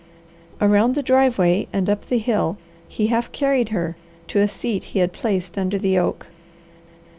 Around the driveway and up the hill he half carried her, to a seat he had placed under the oak.